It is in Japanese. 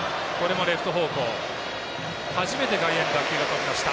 初めて外野に打球が飛びました。